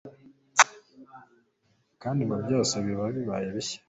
kandi ngo byose biba bibaye bishya